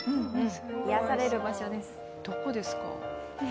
どこですか？